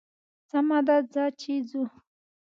سمه ده ځه چې ځو.